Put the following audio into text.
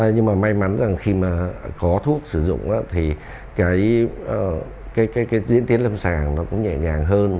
nhưng mà may mắn rằng khi mà có thuốc sử dụng thì cái diễn tiến lâm sàng nó cũng nhẹ nhàng hơn